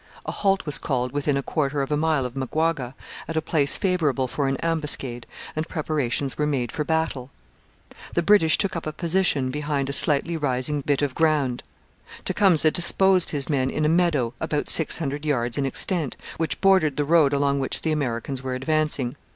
A halt was called within a quarter of a mile of Maguaga, at a place favourable for an ambuscade, and preparations were made for battle. The British took up a position behind a slightly rising bit of ground. Tecumseh disposed his men in a meadow, about six hundred yards in extent, which bordered the road along which the Americans were advancing.